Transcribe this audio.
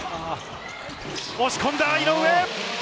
押し込んだ、井上！